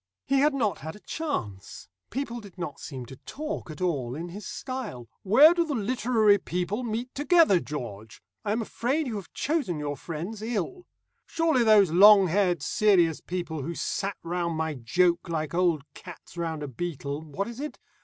He had not had a chance. People did not seem to talk at all in his style. "Where do the literary people meet together, George? I am afraid you have chosen your friends ill. Surely those long haired serious people who sat round my joke like old cats round a beetle what is it?